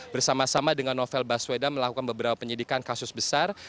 bersama sama dengan novel baswedan melakukan beberapa penyidikan kasus besar